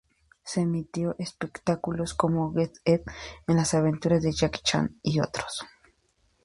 Se emitió espectáculos como Get Ed, Las aventuras de Jackie Chan y otros.